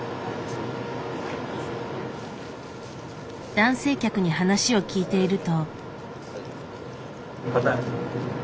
男性客に話を聞いていると。